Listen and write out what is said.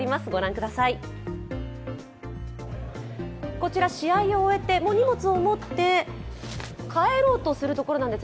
こちら試合を終えて荷物を持って帰ろうとするところなんです。